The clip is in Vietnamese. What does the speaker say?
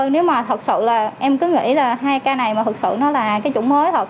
nếu mà thật sự là em cứ nghĩ là hai ca này mà thực sự nó là cái chủng mới thật